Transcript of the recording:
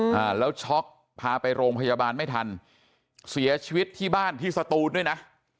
อ่าแล้วช็อกพาไปโรงพยาบาลไม่ทันเสียชีวิตที่บ้านที่สตูนด้วยนะ